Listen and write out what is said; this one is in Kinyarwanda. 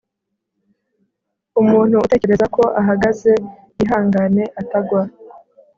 Umuntu utekereza ko ahagaze yihangane atagwa